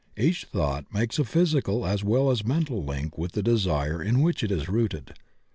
Each thought makes a physical as well as mental link with the desire in which it is rooted.